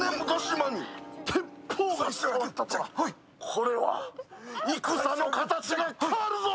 これは戦の形が変わるぞ！